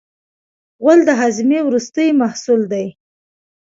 غول د هاضمې وروستی محصول دی.